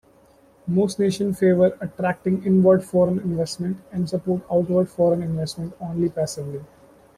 Most nations favour attracting inward foreign investment, and support outward foreign investment only passively.